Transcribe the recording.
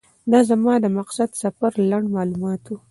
دا زما د مقدس سفر لنډ معلومات و.